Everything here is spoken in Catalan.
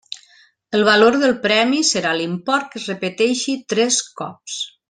El valor del premi serà l'import que es repeteixi tres cops.